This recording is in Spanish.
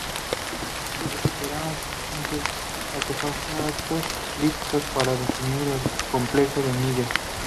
Se recuperaron suficientes artefactos líticos para definir un complejo de Miller.